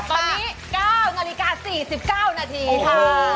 ตอนนี้๙นาฬิกา๔๙นาทีค่ะ